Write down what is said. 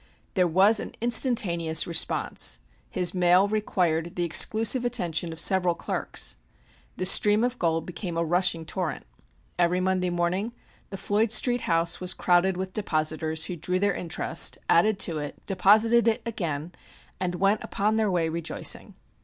There was an instantaneous response. His mail required the exclusive attention of several clerks. The stream of gold became a rushing torrent. Every Monday morning the Floyd Street house was crowded with depositors who drew their interest, added to it, deposited it again, and went upon their way rejoicing.